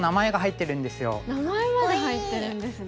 名前まで入ってるんですね。